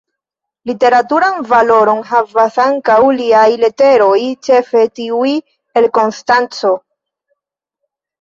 Literaturan valoron havas ankaŭ liaj leteroj, ĉefe tiuj el Konstanco.